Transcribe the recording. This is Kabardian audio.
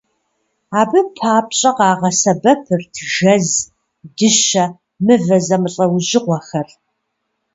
Абы папщӀэ къагъэсэбэпырт жэз, дыщэ, мывэ зэмылӀэужьыгъуэхэр.